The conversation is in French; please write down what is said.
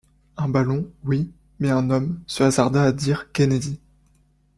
Un ballon, oui ; mais un homme, se hasarda à dire Kennedy.